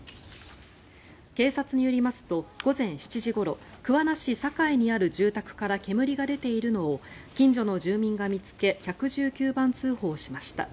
警察によりますと、午前７時ごろ桑名市坂井にある住宅から煙が出ているのを近所の住民が見つけ１１９番通報しました。